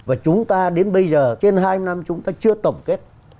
và chúng ta đến bây giờ trên hai năm chúng ta chưa tổng kết